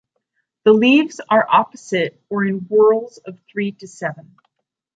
The leaves are opposite or in whorls of three to seven.